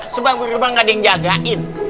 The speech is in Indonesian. sebab penerbangan gak ada yang jagain